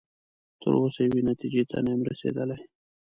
تر اوسه یوې نتیجې ته نه یم رسیدلی.